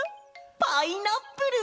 パイナップル！